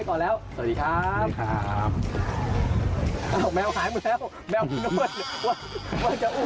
ก็ติดต่อมาที่เพจ